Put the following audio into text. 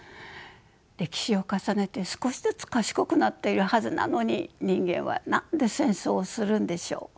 歴史を重ねて少しずつ賢くなっているはずなのに人間は何で戦争をするんでしょう？